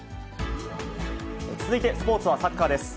続いてスポーツはサッカーです。